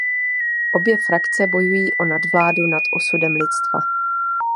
Obě frakce bojují o nadvládu nad osudem lidstva.